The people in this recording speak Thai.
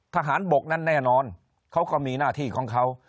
ทหารบกนั้นแน่นอนเขาก็มีหน้าที่ของเขา